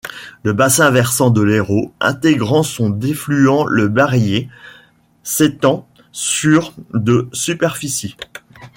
Le bassin versant de l'Eyraud, intégrant son défluent le Barailler, s'étend sur de superficie.